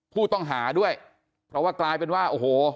ผู้ต้องหาด้วยเพราะว่ากลายเป็นว่าโอ้โห